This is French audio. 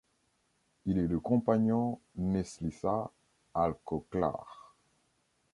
Il est le compagnon Neslisah Alkoclar.